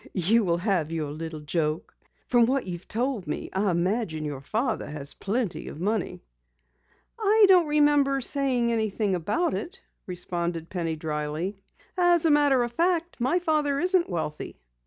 "You will have your little joke. From what you've told me, I imagine your father has plenty of money." "I don't remember saying anything about it," responded Penny dryly. "As a matter of fact, my father isn't wealthy."